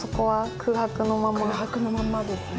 空白のままですね。